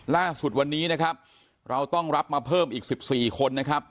ล่าสุดวันนี้นะครับเราต้องรับมาเพิ่มอีก๑๔คนนะครับ